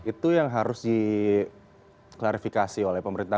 itu yang harus diklarifikasi oleh pemerintah